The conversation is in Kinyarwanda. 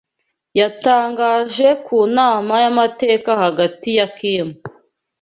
yatangaje ku nama y’amateka hagati ya Kimu